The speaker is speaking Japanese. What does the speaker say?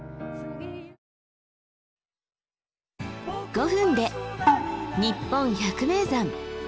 ５分で「にっぽん百名山」。